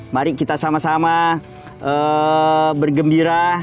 mari kita sama sama bergembira